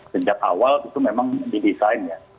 sejak awal itu memang didesain ya